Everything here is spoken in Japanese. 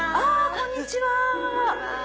こんにちは。